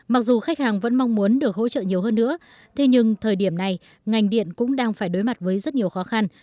mặc dù khách hàng vẫn mong muốn được hỗ trợ nhiều hơn nữa thế nhưng thời điểm này ngành điện cũng đang phải đối mặt với rất nhiều khó khăn